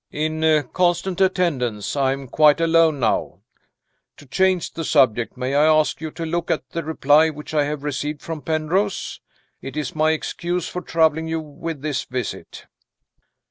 "In constant attendance; I am quite alone now. To change the subject, may I ask you to look at the reply which I have received from Penrose? It is my excuse for troubling you with this visit."